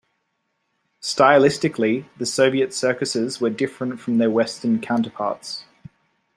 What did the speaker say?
Stylistically, the Soviet circuses were different from their Western counterparts.